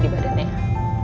gimana luka tusukan kamu